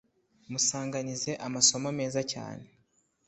musanganize amasomo meza cyane